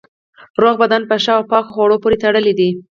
روغ بدن په ښه او پاکو خوړو پورې تړلی دی.